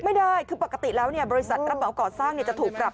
ไม่ได้คือปกติแล้วบริษัทรับเหมาก่อสร้างจะถูกปรับ